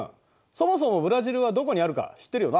そもそもブラジルはどこにあるか知ってるよな？